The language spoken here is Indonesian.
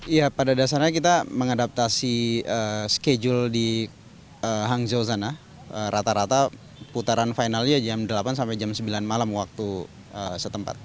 iya pada dasarnya kita mengadaptasi schedule di hangzhou sana rata rata putaran finalnya jam delapan sampai jam sembilan malam waktu setempat